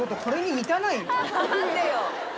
何でよ